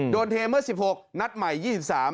เทเมื่อ๑๖นัดใหม่๒๓